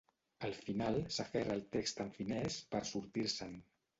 Al final s'aferra al text en finès per sortir-se'n.